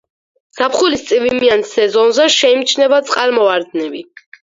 ზაფხულის წვიმიან სეზონზე შეიმჩნევა წყალმოვარდნები.